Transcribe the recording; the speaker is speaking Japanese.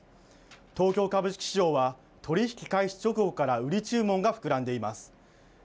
東京株式市場は取り引き開始直後から売り注文が膨らんでいます。